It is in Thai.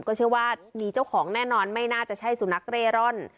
ก็เชื่อว่ามีเจ้าของแน่นอนไม่น่าจะใช่สุนัขเร่ร่อน